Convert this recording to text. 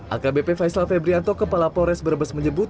akbp faisal febrianto kepala polres brebes menyebut